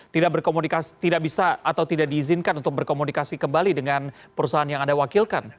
tidak berkomunikasi tidak bisa atau tidak diizinkan untuk berkomunikasi kembali dengan perusahaan yang anda wakilkan